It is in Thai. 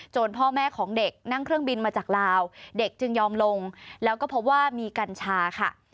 พ่อแม่ของเด็กนั่งเครื่องบินมาจากลาวเด็กจึงยอมลงแล้วก็พบว่ามีกัญชาค่ะ